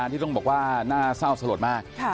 ที่ต้องบอกว่าน่าเศร้าสลดมาก